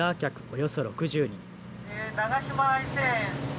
およそ６０人。